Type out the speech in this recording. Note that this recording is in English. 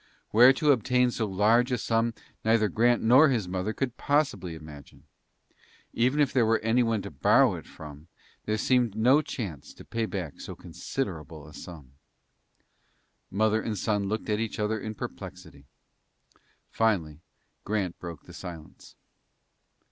Where to obtain so large a sum neither Grant nor his mother could possibly imagine. Even if there were anyone to borrow it from, there seemed no chance to pay back so considerable a sum. Mother and son looked at each other in perplexity. Finally, Grant broke the silence.